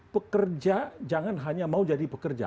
pekerja jangan hanya mau jadi pekerja